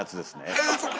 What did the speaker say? ああそうか。